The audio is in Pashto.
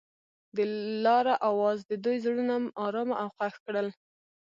د لاره اواز د دوی زړونه ارامه او خوښ کړل.